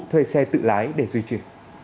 thuê xe tự lái để duy trì